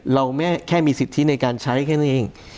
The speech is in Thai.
เราไม่แค่มีสิทธิในการใช้แค่นั้นเอง